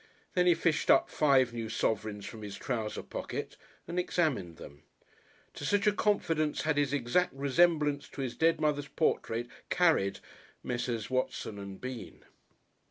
Then he fished up five new sovereigns from his trouser pocket and examined them. To such a confidence had his exact resemblance to his dead mother's portrait carried Messrs. Watson and Bean.